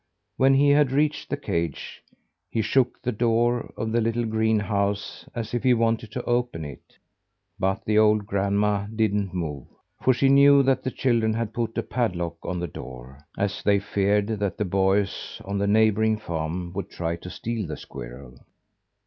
When he had reached the cage, he shook the door of the little green house as if he wanted to open it; but the old grandma didn't move; for she knew that the children had put a padlock on the door, as they feared that the boys on the neighbouring farms would try to steal the squirrel.